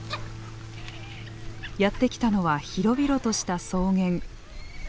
やって来たのは広々とした草原。